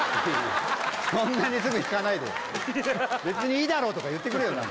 「別にいいだろ」とか言ってくれよ